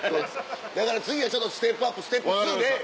だから次はステップアップステップ２で。